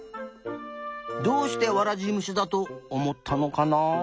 どうしてワラジムシだとおもったのかな。